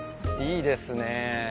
いいですね。